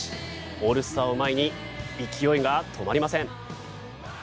オールスターを前に勢いが止まりません！